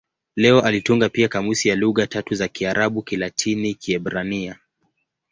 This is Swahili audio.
Leo alitunga pia kamusi ya lugha tatu za Kiarabu-Kilatini-Kiebrania.